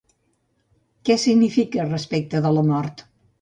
Què significava respecte de la mort?